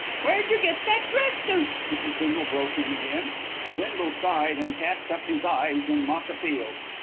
"Where'd you get that dress suit?" Mrs. Bindle broke in again. Bindle sighed, and cast up his eyes in mock appeal.